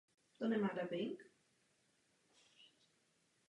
Nejstarší důkaz plnění tohoto přikázání nacházíme v období Druhého Chrámu.